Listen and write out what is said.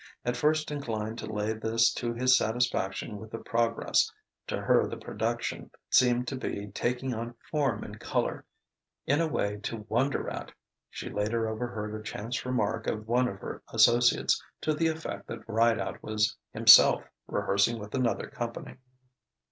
At first inclined to lay this to his satisfaction with the progress to her the production seemed to be taking on form and colour in a way to wonder at she later overheard a chance remark of one of her associates, to the effect that Rideout was himself rehearsing with another company.